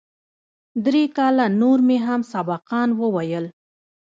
درې کاله نور مې هم سبقان وويل.